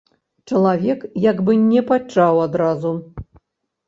Чалавек як бы не пачуў адразу.